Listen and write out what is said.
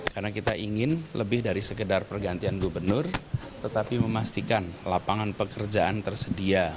karena kita ingin lebih dari sekedar pergantian gubernur tetapi memastikan lapangan pekerjaan tersedia